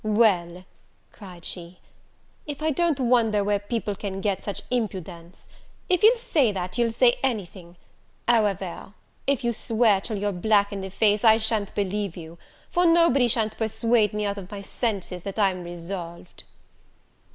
"Well," cried she, "if I don't wonder where people can get such impudence! if you'll say that, you'll say anything: however, if you swear till you're black in the face, I sha'n't believe you; for nobody sha'n't persuade me out of my senses, that I'm resolved."